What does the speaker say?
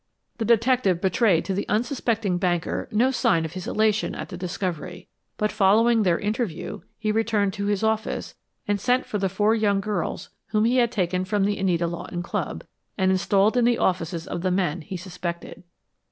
] The detective betrayed to the unsuspecting banker no sign of his elation at the discovery, but following their interview he returned to his office and sent for the four young girls whom he had taken from the Anita Lawton Club and installed in the offices of the men he suspected.